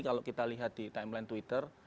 kalau kita lihat di timeline twitter